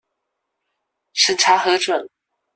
審查核准